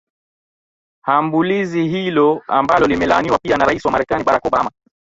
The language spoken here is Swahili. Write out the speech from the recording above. hambulizi hilo ambalo limelaaniwa pia na rais wa marekani barack obama